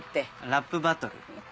ラップバトル。